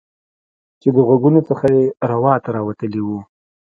چې د غوږونو څخه یې روات راوتلي وو